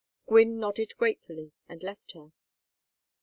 Gwynne nodded gratefully and left her.